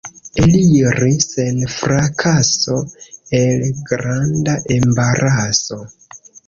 Eliri sen frakaso el granda embaraso.